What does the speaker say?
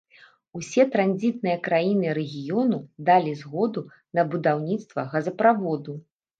Усе транзітныя краіны рэгіёну далі згоду на будаўніцтва газаправоду.